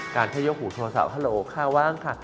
การให้ยกหูโทรศัพท์ฮัลโหลค่าว่างค่ะ